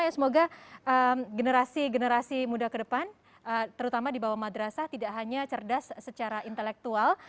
semoga generasi generasi muda ke depan terutama di bawah madrasah tidak hanya cerdas secara intelektual